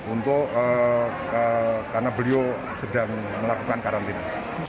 untuk karena beliau sedang melakukan karantina